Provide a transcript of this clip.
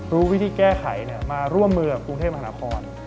รู้วิธีแก้ไขมาร่วมมือกับกรุงเทพมหานคร